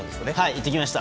行ってきました。